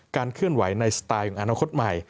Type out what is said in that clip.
เคลื่อนไหวในสไตล์ของอนาคตใหม่